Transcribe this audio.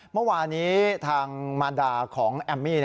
เมื่อวานี้ทางมารดาของแอมมี่